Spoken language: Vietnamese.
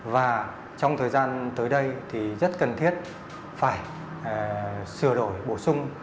và trong thời gian tới đây thì rất cần thiết phải sửa đổi bổ sung